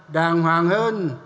đàng hoàng hơn